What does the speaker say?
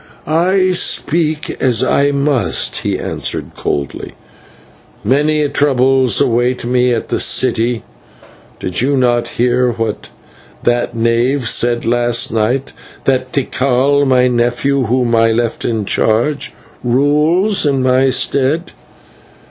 "I speak as I must," he answered, coldly. "Many troubles await me at the city. Did you not hear what that knave said last night that Tikal, my nephew, whom I left in charge, rules in my stead?